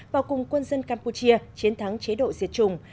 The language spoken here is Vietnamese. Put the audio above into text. và cùng quân dân campuchia chiến thắng chế độ diệt chủng